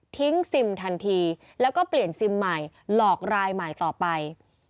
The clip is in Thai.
ซิมทันทีแล้วก็เปลี่ยนซิมใหม่หลอกรายใหม่ต่อไป